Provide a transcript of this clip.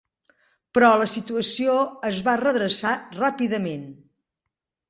Però la situació es va redreçar ràpidament.